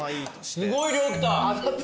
すごい量来た。